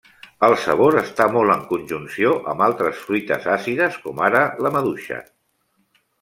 El sabor està molt en conjunció amb altres fruites àcides com ara la maduixa.